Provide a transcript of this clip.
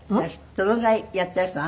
どのぐらいやってらしたの？